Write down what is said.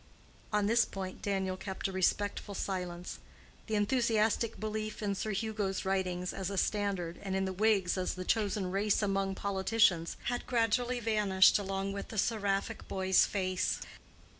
On this point Daniel kept a respectful silence. The enthusiastic belief in Sir Hugo's writings as a standard, and in the Whigs as the chosen race among politicians, had gradually vanished along with the seraphic boy's face.